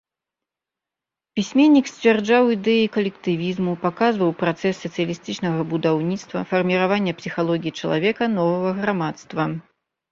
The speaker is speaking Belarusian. Пісьменнік сцвярджаў ідэі калектывізму, паказваў працэс сацыялістычнага будаўніцтва, фарміравання псіхалогіі чалавека новага грамадства.